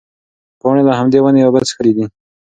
پاڼې له همدې ونې اوبه څښلې دي.